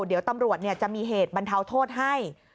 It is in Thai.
เดี๋ยวตำรวจจะมีเหตุบรรเทาโทษให้